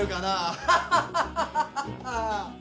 ハハハハハ！